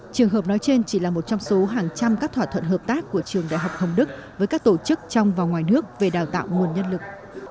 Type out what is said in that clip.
trường hợp nói trên chỉ là một trong số hàng trăm các thỏa thuận hợp tác của trường đại học hồng đức với các tổ chức trong và ngoài nước về đào tạo nguồn nhân lực